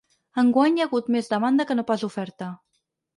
Enguany hi ha hagut més demanda que no pas oferta.